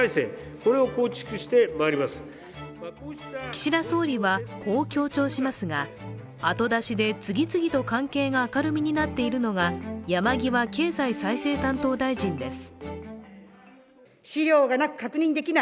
岸田総理はこう強調しますが後出しで次々と関係が明るみになっているのが山際経済再生担当大臣です。